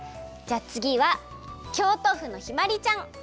じゃあつぎは京都府のひまりちゃん。